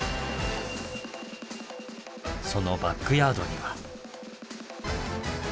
そのバックヤードには。